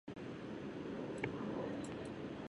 団地も昔と変わっていなかった。